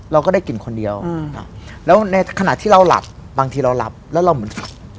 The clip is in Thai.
เราก็ได้กลิ่นคนเดียวแล้วในขณะที่เราหลับบางทีเราหลับแล้วเราเหมือน